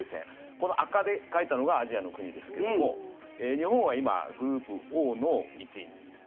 この赤で書いたのがアジアの国ですけども日本は今、グループＯの１位。